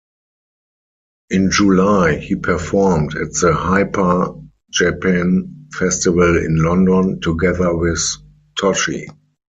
In July, he performed at the Hyper Japan Festival in London, together with Toshi.